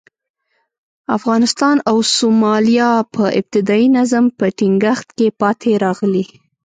افغانستان او سومالیا په ابتدايي نظم په ټینګښت کې پاتې راغلي.